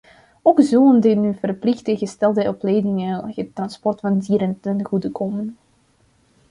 Ook zullen de nu verplicht gestelde opleidingen het transport van dieren ten goede komen.